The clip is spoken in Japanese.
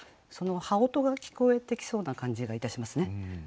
その羽音が聞こえてきそうな感じがいたしますね。